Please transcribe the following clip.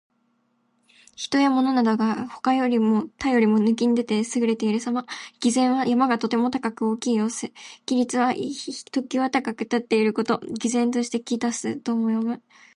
人や物などが、他よりも抜きん出て優れているさま。「巍然」は山がとても大きく高い様子。「屹立」は一際高く立っていること。「巍然として屹立す」とも読む。